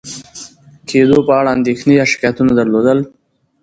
کېدو په اړه اندېښنې یا شکایتونه درلودل،